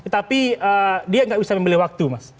tapi dia nggak bisa membeli waktu mas